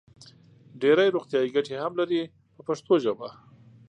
ډېرې روغتیايي ګټې هم لري په پښتو ژبه.